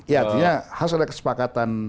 ya artinya harus ada kesepakatan